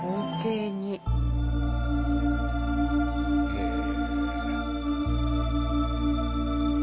へえ。